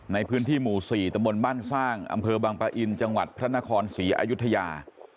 ในพื้นที่หมู่๔ตะมนต์บ้านสร้างอำเภอบังปะอินจังหวัดพระนครศรีอายุทยา